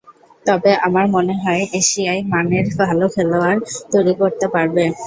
তবে আমার মনে হয়, এশিয়ার মানের ভালো খেলোয়াড় তৈরি করতে পারবে।